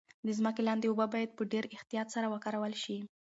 د ځمکې لاندې اوبه باید په ډیر احتیاط سره وکارول شي.